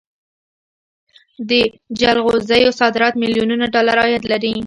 د جلغوزیو صادرات میلیونونه ډالر عاید لري